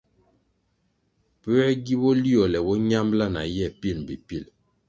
Puē gi boliole bo ñambʼla na ye pil mbpi pil?